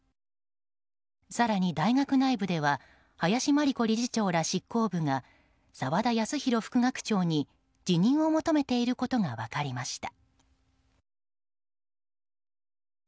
更に大学内部では林真理子理事長ら執行部が澤田康広副学長に辞任を求めていることが分かりました。